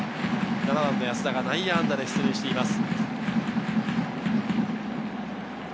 安田が内野安打で出塁しています。